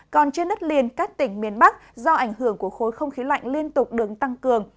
còn trên đất liền các tỉnh miền bắc do ảnh hưởng của khối không khí lạnh liên tục đứng tăng cường